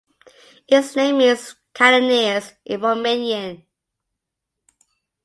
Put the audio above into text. Its name means "cannoneers" in Romanian.